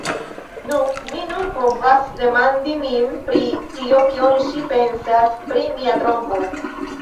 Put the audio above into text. Nun, mi nur povas demandi min pri tio, kion ŝi pensas pri mia trompo.